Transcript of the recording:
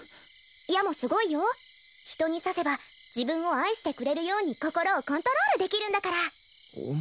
矢もすごいよ人に刺せば自分を愛してくれるように心をコントロールできるんだからお前